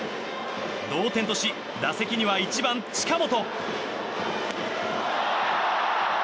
同点とし打席には１番、近本。